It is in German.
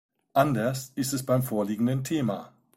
Anders ist es beim vorliegenden Thema.